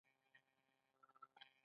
بوټ جوړونکو هم په خپلو وسایلو کار کاوه.